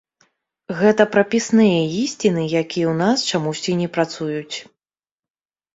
Гэта прапісныя ісціны, якія ў нас чамусьці не працуюць.